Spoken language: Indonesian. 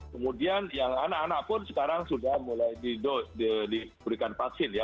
kemudian yang anak anak pun sekarang sudah mulai diberikan vaksin ya